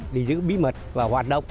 để giữ bí mật và hoạt động